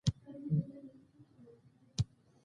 پښتو ژبې ته وده ورکول د هر پښتون مسؤلیت دی.